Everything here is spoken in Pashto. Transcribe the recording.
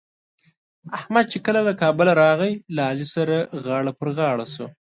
احمد چې له کابله راغی؛ له علي سره غاړه په غاړه شو.